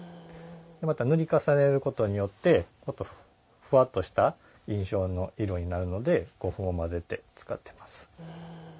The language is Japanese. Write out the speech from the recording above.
また、塗り重ねることによってふわっとした印象の色になるので胡粉を混ぜて、作っています。